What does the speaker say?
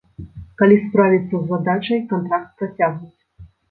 Калі справіцца з задачай, кантракт працягнуць.